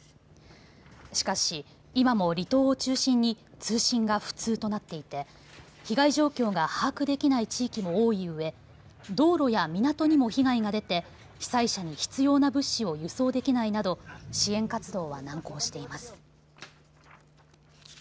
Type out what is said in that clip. しかし今も離島を中心に通信が不通となっていて被害状況が把握できない地域も多いうえ道路や港にも被害が出て被災者に必要な物資を輸送できないなど支援活動は難航しています。